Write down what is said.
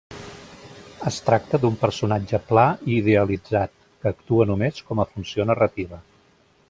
Es tracta d'un personatge pla i idealitzat, que actua només com a funció narrativa.